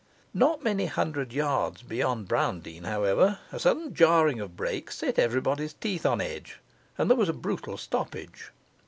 Not many hundred yards beyond Browndean, however, a sudden jarring of brakes set everybody's teeth on edge, and there was a brutal stoppage.